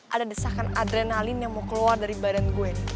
ada desakan adrenalin yang mau keluar dari badan gue